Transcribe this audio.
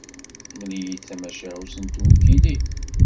Mmel-iyi-d tamacahut n tewkilin.